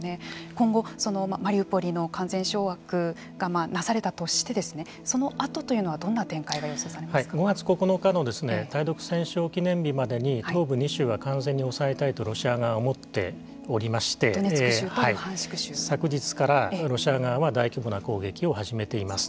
今後マリウポリの完全掌握がなされたとしてそのあとというのは５月９日の対独戦勝記念日までに東部２州を完全に押さえたいとロシア側は思っておりまして昨日からロシア側は大規模な攻撃を始めています。